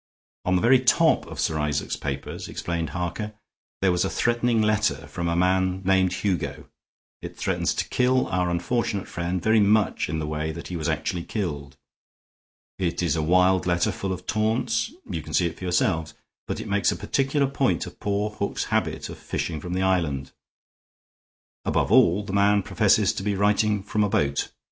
"On the very top of Sir Isaac's papers," explained Harker, "there was a threatening letter from a man named Hugo. It threatens to kill our unfortunate friend very much in the way that he was actually killed. It is a wild letter, full of taunts; you can see it for yourselves; but it makes a particular point of poor Hook's habit of fishing from the island. Above all, the man professes to be writing from a boat.